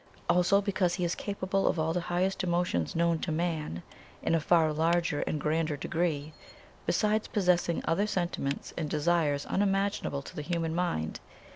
Also because He is capable of all the highest emotions known to man, in a far larger and grander degree, besides possessing other sentiments and desires unimaginable to the human mind.